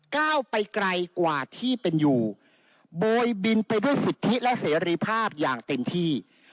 ก้าวไปไกลกว่าที่เป็นอยู่โบยบินไปด้วยสิทธิและเสรีภาพอย่างเต็มที่